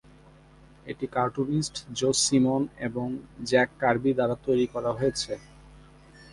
এটি cartoonist Joe Simon এবং Jack Kirby দ্বারা তৈরি করা হয়েছে।